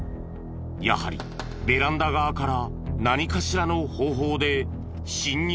やはりベランダ側から何かしらの方法で侵入したのか？